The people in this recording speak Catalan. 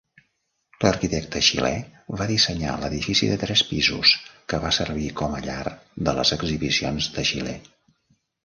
L'arquitecte xilè va dissenyar l'edifici de tres pisos que va servir com a llar de les exhibicions de Xile.